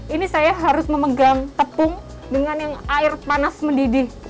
ini saya harus memegang tepung dengan yang air panas mendidih